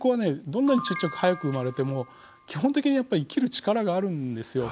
どんなにちっちゃく早く生まれても基本的にやっぱ生きる力があるんですよ。